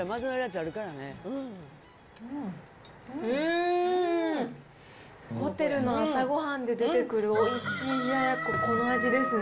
うーん、ホテルの朝ごはんで出てくるおいしい冷奴、この味ですね。